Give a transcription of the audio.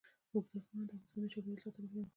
اوږده غرونه د افغانستان د چاپیریال ساتنې لپاره مهم دي.